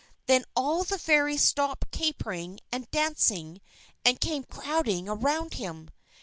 Then all the Fairies stopped capering and dancing, and came crowding around him.